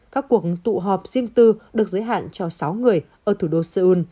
các cuộc tụ họp riêng tư được giới hạn cho sáu người ở thủ đô seoul